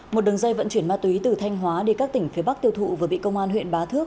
một đường dây vận chuyển ma túy từ thanh hóa đi các tỉnh phía bắc tiêu thụ vừa bị công an huyện bá thước